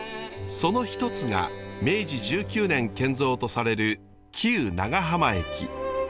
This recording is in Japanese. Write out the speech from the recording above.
その一つが明治１９年建造とされる旧長浜駅。